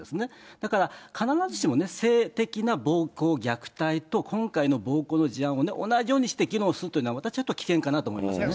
だから必ずしも性的な暴行、虐待と、今回の暴行の事案をね、同じようにして議論するというのは、私はちょっと危険かなと思いますね。